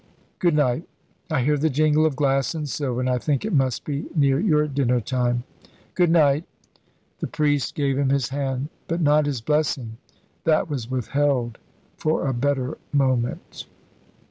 Good night. I hear the jingle of glass and silver, and I think it must be near your dinner time. Good night!" The priest gave him his hand, but not his blessing. That was withheld for a better moment.